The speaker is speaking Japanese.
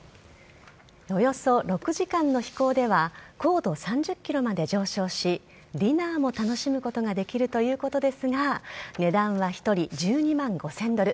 およそ６時間の飛行では高度３０ｋｍまで上昇しディナーも楽しむことができるということですが値段は１人１２万５０００ドル。